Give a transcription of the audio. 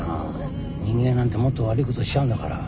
人間なんてもっと悪いことしちゃうんだから。